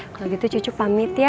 kalau gitu cucu pamit ya